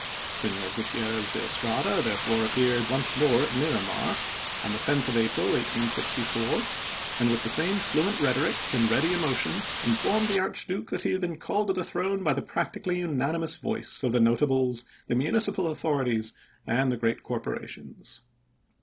Senor Guti errez de Estrada therefore appeared once more at Miramar, on the 10th of April, 1864, and, with the same fluent rhetoric and ready emotion, informed the Archduke that he had been called to the throne by the practically unanimous voice of the nota bles, the municipal authorities, and the great cor porations.